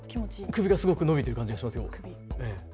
首がすごく伸びている感じがします。